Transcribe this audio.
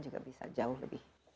juga bisa jauh lebih